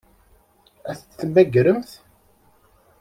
Ad t-id-temmagremt?